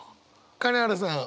金原さん